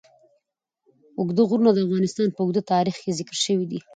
اوږده غرونه د افغانستان په اوږده تاریخ کې ذکر شوی دی.